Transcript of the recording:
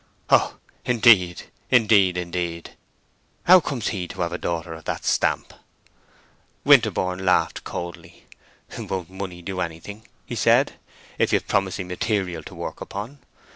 "Oh, indeed—indeed—indeed! How comes he to have a daughter of that stamp?" Winterborne laughed coldly. "Won't money do anything," he said, "if you've promising material to work upon?